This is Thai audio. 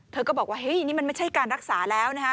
เธอก็บอกว่าเฮ้ยนี่มันไม่ใช่การรักษาแล้วนะฮะ